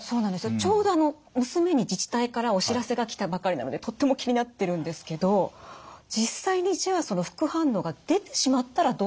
ちょうどあの娘に自治体からお知らせが来たばかりなのでとっても気になってるんですけど実際にじゃあ副反応が出てしまったらどうしたらいいんですか？